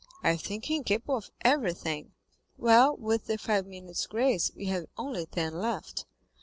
"I think him capable of everything." "Well, with the five minutes' grace, we have only ten left."